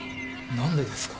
何でですか？